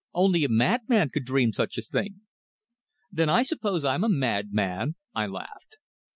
Only a madman could dream such a thing." "Then I suppose I'm a madman?" I laughed.